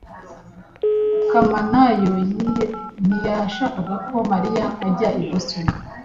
Kamanayo ntiyashakaga ko Mariya ajya i Boston.